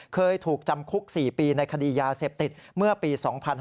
เคยถูกจำคุก๔ปีในคดียาเสพติดเมื่อปี๒๕๕๙